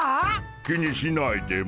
気にしないでモ。